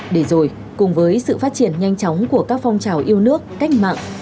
để rồi cùng với sự phát triển nhanh chóng của các phong trào yêu nước cách mạng